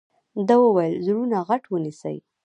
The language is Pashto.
ده وويل زړونه غټ ونيسئ.